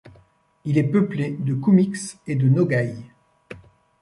Il est peuplé de Koumyks et de Nogaïs.